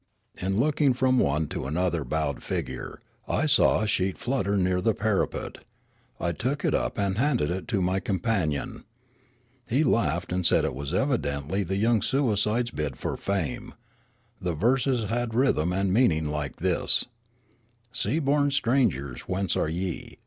In looking from one to another bowed figure, I saw a sheet flutter near the parapet ; I took it up and handed it to my companion. He laughed and said it was evidently the young suicide's bid for fame ; the verses had rhythm and meaning like this : Sea borne strangers, whence are ye?